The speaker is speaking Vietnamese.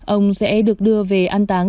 ông sẽ được đưa về ăn táng